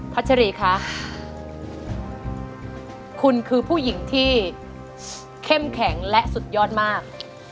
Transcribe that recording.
ัชรีคะคุณคือผู้หญิงที่เข้มแข็งและสุดยอดมาก